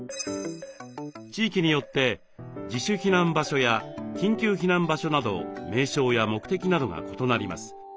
地域によって「自主避難場所」や「緊急避難場所」など名称や目的などが異なります。